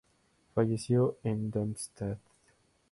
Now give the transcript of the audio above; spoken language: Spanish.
Falleció en Darmstadt.